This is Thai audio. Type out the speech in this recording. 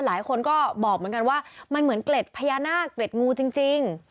หลายคนก็บอกเหมือนกันว่ามันเหมือนเกล็ดพญานาคเกร็ดงูจริง